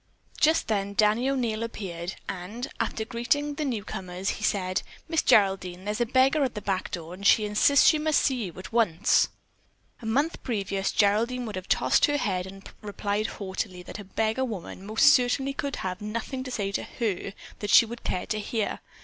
Just then Danny O'Neil appeared, and, after having greeted the newcomers, she said: "Miss Geraldine, there's a beggar at the back door and she insists that she must see you at once." A month previous Geraldine would have tossed her head and replied haughtily that a beggar woman most certainly could have nothing to say to her that she would care to hear.